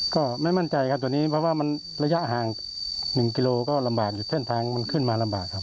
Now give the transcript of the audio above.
ก็ไม่มั่นใจครับตัวนี้เพราะว่ามันระยะห่าง๑กิโลก็ลำบากอยู่เส้นทางมันขึ้นมาลำบากครับ